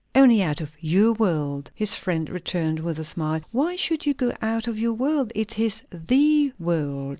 "Only out of your world," his friend returned, with a smile. "Why should you go out of our world? it is the world."